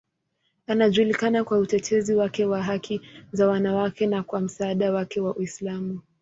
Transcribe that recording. Anajulikana kwa utetezi wake wa haki za wanawake na kwa msaada wake wa Uislamu.